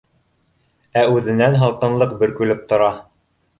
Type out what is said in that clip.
Ә үҙенән һалҡынлыҡ бөркөлөп тора